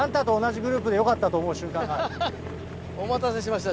お待たせしました。